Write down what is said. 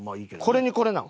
これにこれなん？